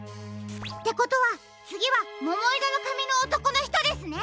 ってことはつぎはももいろのかみのおとこのひとですね！